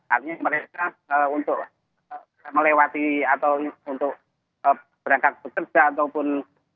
artinya mereka untuk melewati atau untuk berangkat bekerja ataupun